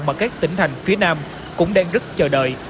mà các tỉnh thành phía nam cũng đang rất chờ đợi